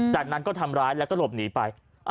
จากนั้นก็ทำร้ายแล้วก็หลบหนีไป